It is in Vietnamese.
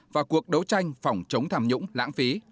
và cuộc đấu tranh phòng chống tham nhũng lãng phí